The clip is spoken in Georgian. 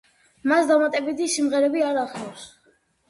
მას დამატებითი სიმღერები არ ახლავს.